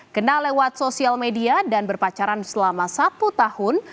kenal lewat sosial media dan berpacaran selama satu tahun